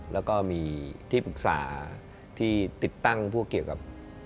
แล้วก็มีที่ปรึกษาที่ติดตั้งพวกเกี่ยวกับ